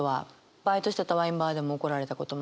バイトしてたワインバーでも怒られたこともありますし。